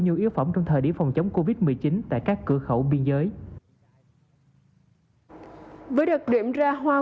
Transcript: nhiều yếu phẩm trong thời điểm phòng chống covid một mươi chín tại các cửa khẩu biên giới với đặc điểm ra hoa